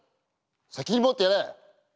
責任持ってやれ！